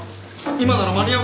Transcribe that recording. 今なら間に合う。